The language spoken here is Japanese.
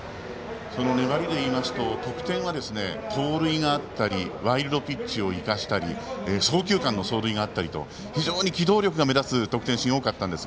その粘りでいいますと得点は盗塁があったりワイルドピッチを生かしたり送球間の走塁があったりと非常に機動力が目立つ得点シーンが多かったです。